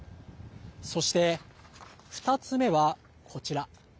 そして２つ目は、こちら。